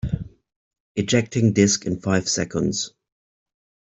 Ejecting disk in five seconds.